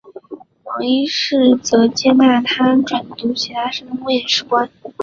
黄应士则是接纳他转读传理系的面试官。